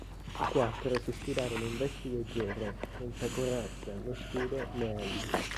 I quattro si sfidarono in vesti leggere, senza corazza, né scudo, né elmo.